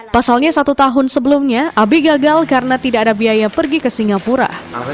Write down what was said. pasalnya satu tahun sebelumnya abi gagal karena tidak ada biaya pergi ke singapura